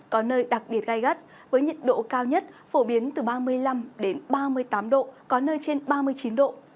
có nơi đặc biệt gai gắt với nhiệt độ cao nhất phổ biến từ ba mươi năm đến ba mươi tám độ có nơi trên ba mươi chín độ